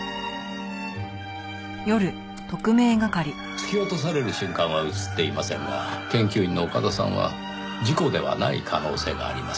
突き落とされる瞬間は映っていませんが研究員の岡田さんは事故ではない可能性があります。